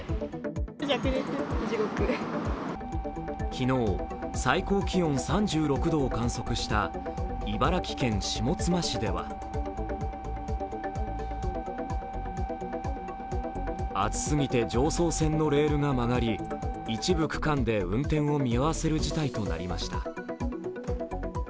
昨日、最高気温３６度を観測した茨城県下妻市では暑すぎて常総線のレールが曲がり一部区間で運転を見合わせる事態となりました。